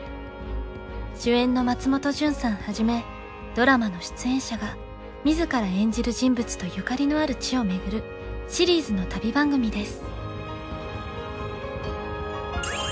主演の松本潤さんはじめドラマの出演者が自ら演じる人物とゆかりのある地を巡るシリーズの旅番組です。